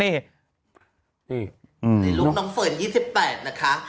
นี่ลุ่มน้องเฝินน์๒๘นะคะ